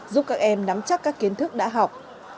giúp các em nắm chắc các kiến thức đã học